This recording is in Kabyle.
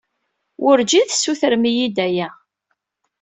Wurǧin tessutrem-iyi-d aya.